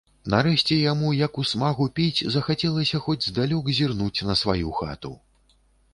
Нарэшце яму, як у смагу піць, захацелася хоць здалёк зірнуць на сваю хату.